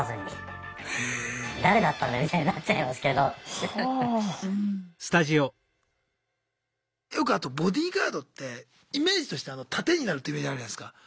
シェアハウスの人にはよくあとボディーガードってイメージとして盾になるってイメージあるじゃないすか。